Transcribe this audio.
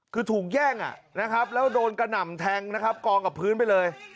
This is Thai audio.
คือถูกแย่งนะครับแล้วโดนกระหน่ำแทงนะครับกองกับพื้นไปเลย